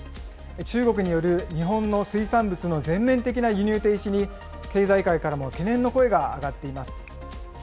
中国による日本の水産物の全面的な輸入停止に経済界からも懸念の声が上がっています。